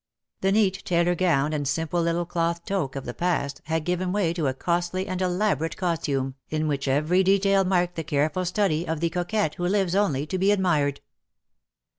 The neat tailor gown and simple little cloth toque of the past, had given way to a costly and elaborate costume, in which every detail marked the careful study of the coquette who lives only to be admired.